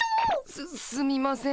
すすみません。